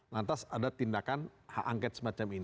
lantas ada tindakan hak angket semacam ini